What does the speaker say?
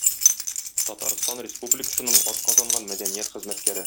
Татарстан Республикасының атказанган мәдәният хезмәткәре.